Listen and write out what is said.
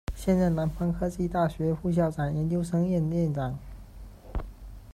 现任南方科技大学副校长、研究生院院长。